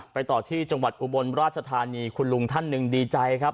ไปต่อที่จังหวัดอุบลราชธานีคุณลุงท่านหนึ่งดีใจครับ